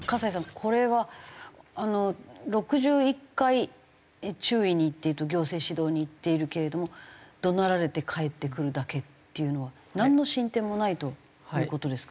これはあの６１回注意に行っていると行政指導に行っているけれども怒鳴られて帰ってくるだけっていうのはなんの進展もないという事ですか？